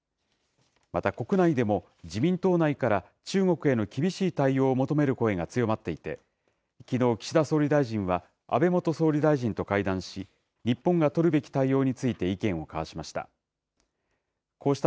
また国内でも、自民党内から、中国への厳しい対応を求める声が強まっていて、きのう、岸田総理大臣は、安倍元総理大臣と会談し、日本が取るべき対応について意見を交わしました。